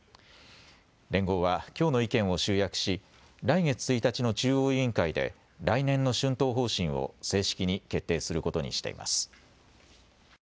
連合はきょうの意見を集約し来月１日の中央委員会で来年の春闘方針を正式に決定することにしています。